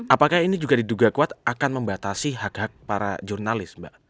apakah ini juga diduga kuat akan membatasi hak hak para jurnalis mbak